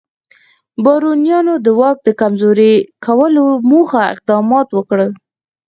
بارونیانو د واک د کمزوري کولو موخه اقدامات وکړل.